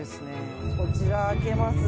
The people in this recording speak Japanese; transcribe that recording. こちら開けます。